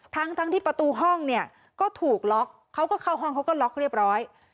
ทั้งที่ประตูห้องเนี่ยก็ถูกล็อกเขาก็เข้าห้องเขาก็ล็อกเรียบร้อย